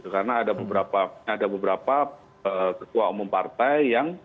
karena ada beberapa ketua umum partai yang